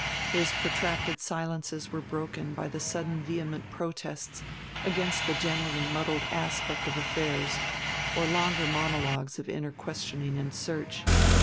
His protracted silences were broken by the sudden vehement protests against the generally muddled aspect of affairs or longer monologues of inner questioning and search.